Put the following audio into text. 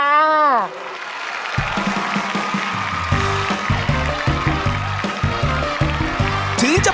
แม่มค่ะ